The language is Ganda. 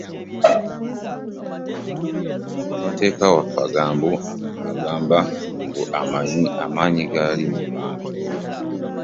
Ssemateeka waffe agamba mbu amaanyi gali mu bantu.